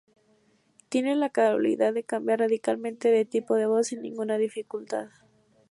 Tiene la cualidad de cambiar radicalmente de tipo de voz sin ninguna dificultad.